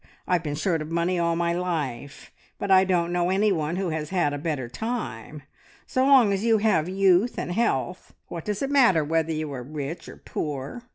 I've been short of money all my life, but I don't know anyone who has had a better time. So long as you have youth and health, what does it matter whether you are rich or poor?